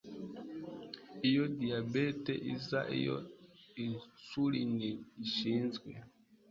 iyo diyabete iza iyo 'insulin' ishinzwe